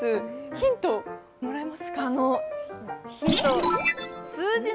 ヒント、もらえますか？